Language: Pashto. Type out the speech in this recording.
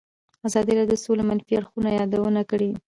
ازادي راډیو د سوله د منفي اړخونو یادونه کړې.